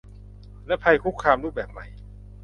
และภัยคุกคามรูปแบบใหม่